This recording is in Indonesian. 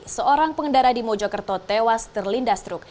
seorang pengendara di mojokerto tewas terlindas truk